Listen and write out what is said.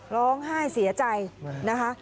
ร้องไห้เสียใจนะคะ